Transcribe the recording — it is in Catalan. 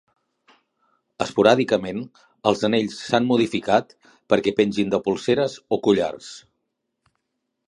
Esporàdicament, els anells s"han modificat perquè pengin de polseres o collars.